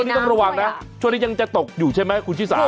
นี่ต้องระวังนะช่วงนี้ยังจะตกอยู่ใช่ไหมคุณชิสา